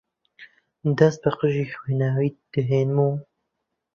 دەست بە قژی خوێناویتا دەهێنم و